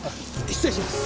失礼します。